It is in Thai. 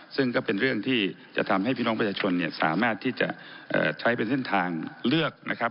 ซึ่งก็เป็นเรื่องที่จะทำให้พี่น้องประชาชนสามารถที่จะใช้เป็นเส้นทางเลือกนะครับ